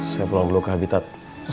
saya pulang dulu ke habitat